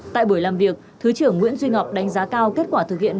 tại buổi làm việc thứ trưởng nguyễn duy ngọc đánh giá cao kết quả thực hiện